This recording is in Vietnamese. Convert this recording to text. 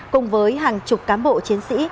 cùng với hàng chục cám bộ chiến sĩ